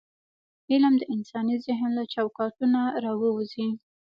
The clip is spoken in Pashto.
علم د انساني ذهن له چوکاټونه راووځي.